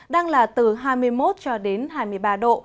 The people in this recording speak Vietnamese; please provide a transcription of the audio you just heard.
đang là từ hai mươi một cho đến hai mươi ba độ